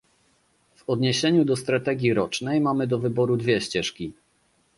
W odniesieniu do strategii rocznej mamy do wyboru dwie ścieżki